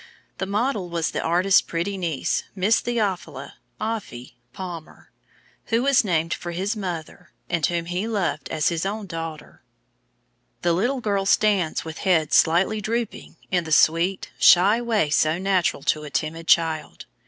The model was the artist's pretty niece, Miss Theophila ("Offy") Palmer, who was named for his mother, and whom he loved as an own daughter. The little girl stands with head slightly drooping, in the sweet, shy way so natural to a timid child.